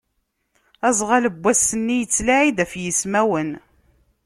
Azɣal n wass-nni yettlaɛi-d ɣef yismawen.